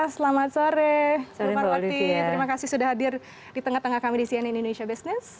selamat sore marwati terima kasih sudah hadir di tengah tengah kami di cnn indonesia business